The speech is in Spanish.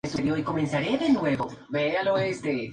Habita en Belice y Nicaragua.